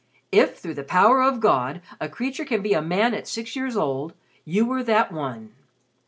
"If, through the power of God a creature can be a man at six years old, you were that one.